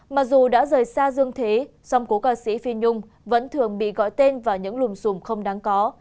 mặc dù đã rời xa dương thế song cố ca sĩ phi nhung vẫn thường bị gọi tên vào những lùm xùm không đáng có